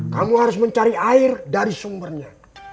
kamu harus mencari air dari sumbernya